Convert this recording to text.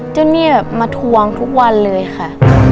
หนี้แบบมาทวงทุกวันเลยค่ะ